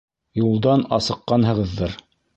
Юлдан асыҡҡанһығыҙҙыр.